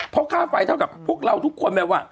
เพราะค่าไฟเท่ากับพวกเราทุกคนแบบว่า